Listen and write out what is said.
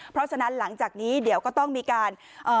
เพราะฉะนั้นหลังจากนี้เดี๋ยวก็ต้องมีการ